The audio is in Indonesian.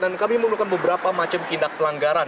dan kami menggunakan beberapa macam tindak pelanggaran